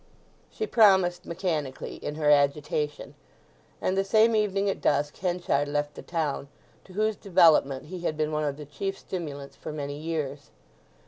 She promised mechanically, in her agitation; and the same evening at dusk Henchard left the town, to whose development he had been one of the chief stimulants for many years.